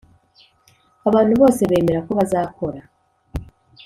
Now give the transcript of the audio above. Abantu bose bemera ko bazakora